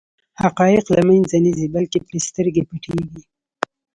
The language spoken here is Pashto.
حقایق له منځه نه ځي بلکې پرې سترګې پټېږي.